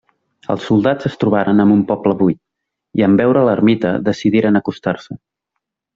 Els soldats es trobaren amb un poble buit, i en veure l'ermita decidiren acostar-se.